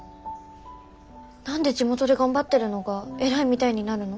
何で地元で頑張ってるのが偉いみたいになるの？